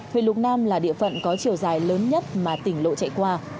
huyện lục nam là địa phận có chiều dài lớn nhất mà tỉnh lộ chạy qua